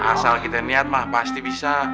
asal kita niat mah pasti bisa